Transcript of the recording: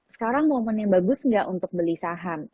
sekarang momennya bagus nggak untuk beli saham